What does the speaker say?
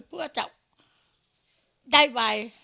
เพื่อจะได้ไว